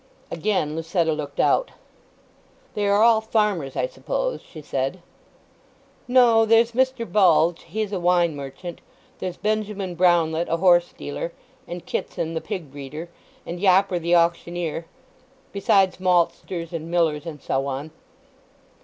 Again Lucetta looked out. "They are all farmers, I suppose?" she said. "No. There's Mr. Bulge—he's a wine merchant; there's Benjamin Brownlet—a horse dealer; and Kitson, the pig breeder; and Yopper, the auctioneer; besides maltsters, and millers—and so on."